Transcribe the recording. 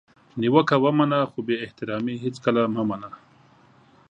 نیوکه ومنه خو بي احترامي هیڅکله مه منه!